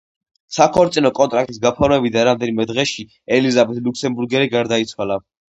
საქორწინო კონტრაქტის გაფორმებიდან რამდენიმე დღეში ელიზაბეთ ლუქსემბურგელი გარდაიცვალა.